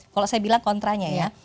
kalau saya bilang kontranya ya